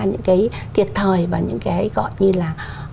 những cái tiệt thời và những cái gọi như là